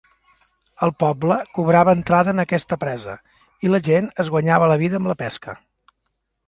El poble cobrava entrada en aquesta presa, i la gent es guanyava la vida amb la pesca.